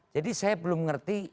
jadi saya belum ngerti